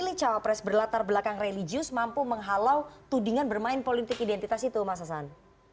bagaimana cawapres berlatar belakang religius mampu menghalau tudingan bermain politik identitas itu mas hasan